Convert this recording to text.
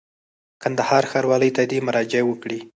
کندهار ښاروالۍ ته دي مراجعه وکړي.